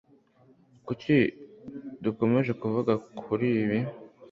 Kuki dukomeje kuvuga kuri ibi?